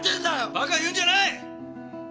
バカ言うんじゃない！